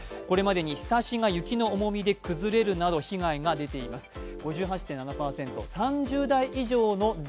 これまでにひさしが雪の重みが崩れるなど被害が出ています。